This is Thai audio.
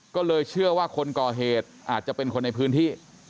ก็เลยเชื่อว่าคนก่อเหตุอาจจะเป็นคนในพื้นที่